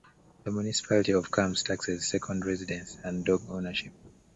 The municipality of Cambs taxes second residence and dog ownership.